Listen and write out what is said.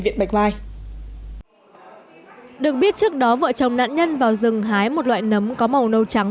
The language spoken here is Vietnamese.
viện bạch mai được biết trước đó vợ chồng nạn nhân vào rừng hái một loại nấm có màu nâu trắng